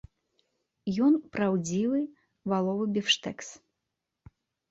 Еў праўдзівы валовы біфштэкс.